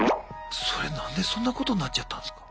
それ何でそんなことなっちゃったんすか？